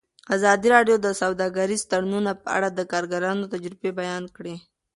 ازادي راډیو د سوداګریز تړونونه په اړه د کارګرانو تجربې بیان کړي.